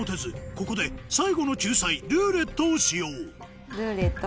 ここで最後の救済「ルーレット」を使用ルーレット。